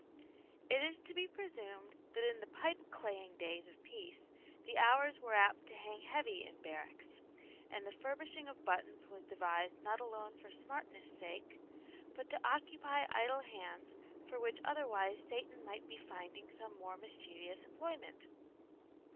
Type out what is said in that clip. It is to be presumed that in the pipe claying days of peace the hours were apt to hang heavy in barracks, and the furbishing of buttons was devised not alone for smartness' sake, but to occupy idle hands for which otherwise Satan might be finding some more mischievous employment.